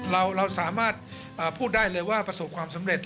เราสามารถพูดได้เลยว่าประสบความสำเร็จ